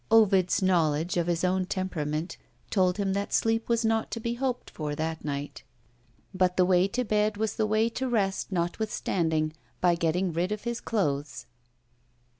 Ovid's knowledge of his own temperament told him that sleep was not to be hoped for, that night. But the way to bed was the way to rest notwithstanding, by getting rid of his clothes.